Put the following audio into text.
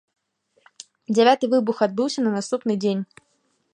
Дзявяты выбух адбыўся на наступны дзень.